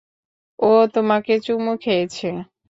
ও তোমাকে চুমু খেয়েছে।